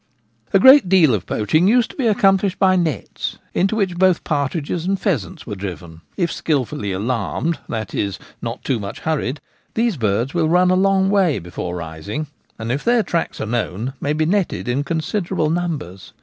A great deal of poaching used to be accomplished by nets, into which both partridges and pheasants were driven. If skilfully alarmed — that is, not too much hurried — these birds will run a long way before rising, and, if their tracks are known, may be netted in considerable numbers.